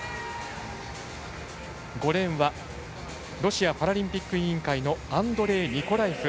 ５レーンはロシアパラリンピック委員会のアンドレイ・ニコラエフ。